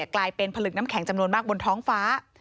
กลายเป็นผลึกน้ำแข็งจำนวนมากบนท้องฟ้า